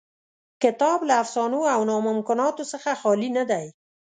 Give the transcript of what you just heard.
کتاب له افسانو او ناممکناتو څخه خالي نه دی.